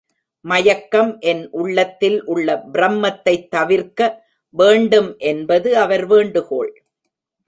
மயக்கம் என் உள்ளத்தில் உள்ள ப்ரமத்தைத் தவிர்க்க வேண்டும் என்பது அவர் வேண்டுகோள்.